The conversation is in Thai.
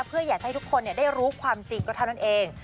เพื่ออยากจะให้ทุกคนได้รู้ความจริงก็เท่านั้นเอง